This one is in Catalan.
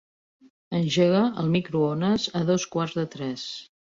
Engega el microones a dos quarts de tres.